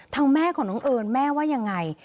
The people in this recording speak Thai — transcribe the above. แม่ของน้องเอิญแม่ว่ายังไง